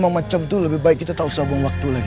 mau macam itu lebih baik kita tak usah buang waktu lagi